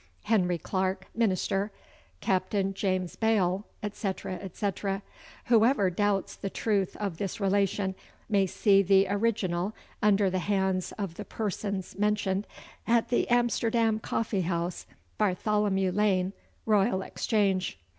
'Henry Clark, minister; Captain James Bale, &c &c. Whoever doubts the truth of this relation may see the original under the hands of the persons mentioned at the Amsterdam Coffee House, Bartholomew Lane, Royal Exchange.